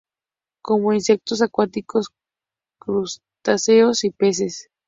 Come insectos acuáticos, crustáceos y peces.